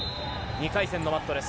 ２回戦のマットです。